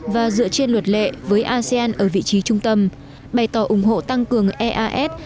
và dựa trên luật lệ với asean ở vị trí trung tâm bày tỏ ủng hộ tăng cường eas